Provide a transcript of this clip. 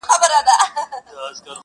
که منګول یې دی تېره مشوکه غټه!